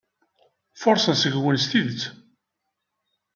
Furṣen seg-wen s tidet.